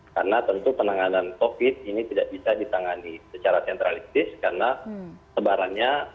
karena tentu penanganan covid ini tidak bisa ditangani secara sentralistis karena sebarannya